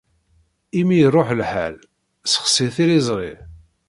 Imi i iṛuḥ lḥal, ssexsi tiliẓri.